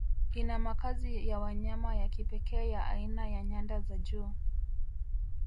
Ina makazi ya wanyama ya kipekee ya aina ya nyanda za juu